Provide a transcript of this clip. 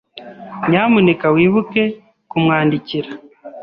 Nyamuneka wibuke kumwandikira.